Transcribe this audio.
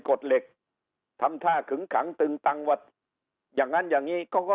กฎเหล็กทำท่าขึงขังตึงตังว่าอย่างนั้นอย่างนี้เขาก็